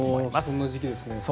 そんな時期ですね。